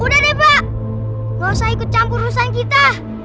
udah deh pak nggak usah ikut campur usah kita